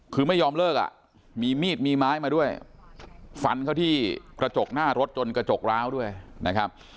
คือไม่ยอมเลิกอ่ะมีมีดมีไม้มาด้วยฟันเข้าที่กระจกหน้ารถจนกระจกร้าวด้วยนะครับ